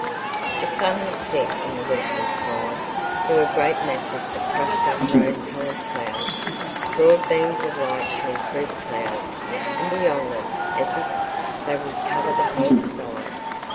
The sun had set. In the western sky there were great masses of crushed up rose coloured clouds. Broad beams of light shone through the clouds and beyond them as if they would cover the whole sky.